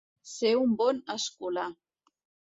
Ser un bon escolà.